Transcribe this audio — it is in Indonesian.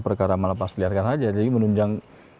perkara melepas liarkan saja jadi menunjang